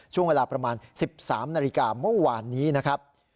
ช่วงเวลาประมาณ๑๓นาฬิกาเมื่อวานนี้นะครับ